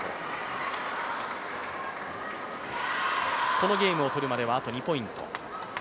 このゲームをとるまではあと２ポイント。